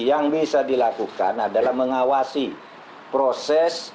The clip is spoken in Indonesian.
yang bisa dilakukan adalah mengawasi proses